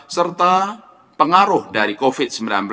serta pengaruh dari keuangan global